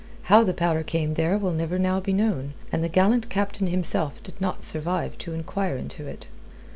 How the powder came there will never now be known, and the gallant Captain himself did not survive to enquire into it.